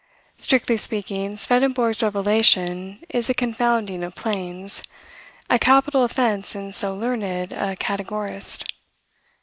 Strictly speaking, Swedenborg's revelation is a confounding of planes, a capital offence in so learned a categorist.